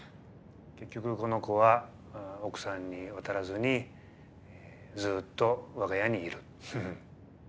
結局この子は奥さんに渡らずにずっと我が家にいる。